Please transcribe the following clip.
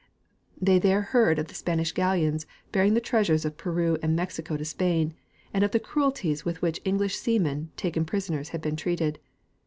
They there heard of the Spanish galleons bearing the treasures of Peru and Mexico to Spain, and of the cruelties with which English seamen, taken prisoners, had been treated.